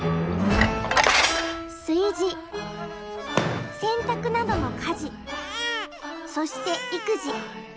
炊事洗濯などの家事そして育児。